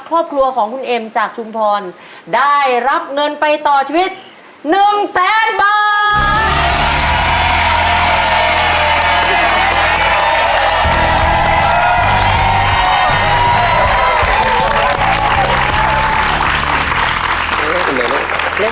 ครอบครัวของคุณเอ็มจากชุมพรได้รับเงินไปต่อชีวิต๑แสนบาท